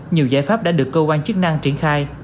nhiều giải pháp đã được cơ quan chức năng triển khai